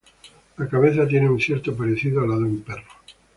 La cabeza tiene un cierto parecido a la de un perro.